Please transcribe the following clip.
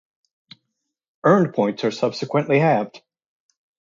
Earned points are subsequently halved.